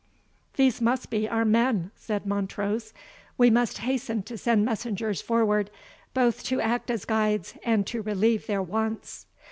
"These must be our men," said Montrose; "we must hasten to send messengers forward, both to act as guides and to relieve their wants."